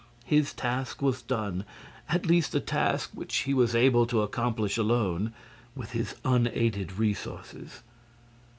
His task was done, at least the task which he was able to accomplish alone, with his unaided resources.